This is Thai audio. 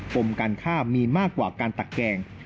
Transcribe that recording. มการฆ่ามีมากกว่าการตักแกง